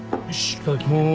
いただきまーす。